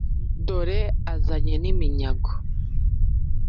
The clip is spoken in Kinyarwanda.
dore azanye n’iminyago,